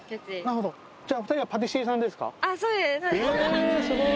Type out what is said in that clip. えすごい！